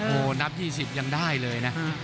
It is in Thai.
โอ้โหนับ๒๐ยังได้เลยนะ